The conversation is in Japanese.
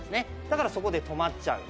だからそこで止まっちゃう。